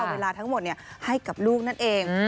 เอาเวลาทั้งหมดให้กับลูกนั่นเอง